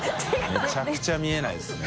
めちゃくちゃ見えないですね。